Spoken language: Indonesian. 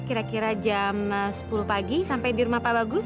kira kira jam sepuluh pagi sampai di rumah pak bagus